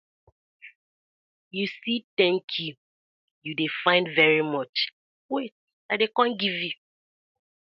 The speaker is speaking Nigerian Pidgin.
You see "thank you", you dey find "very much", wait I dey com giv you.